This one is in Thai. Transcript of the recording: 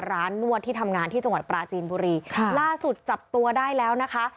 นวดที่ทำงานที่จังหวัดปราจีนบุรีค่ะล่าสุดจับตัวได้แล้วนะคะ